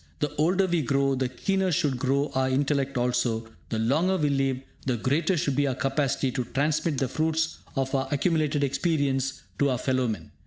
The older we grow, the keener should grow our intellect also; the longer we live, the greater should be our capacity to transmit the fruits of our accumulated experience to our fellowmen.